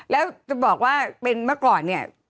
แล้วจะบอกว่าเป็นเมื่อก่อนเนี่ย